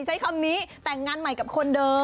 ใช้คำนี้แต่งงานใหม่กับคนเดิม